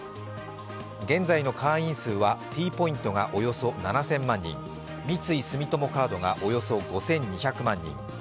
現在の会員数はＴポイントがおよそ７０００万人、三井住友カードがおよそ５２００万人。